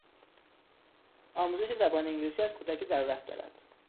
آموزش زبان انگلیسی از کودکی ضرورت دارد